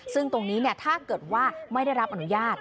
ซึ่งตรงนี้ถ้าเกิดว่าไม่ได้รับอนุญาต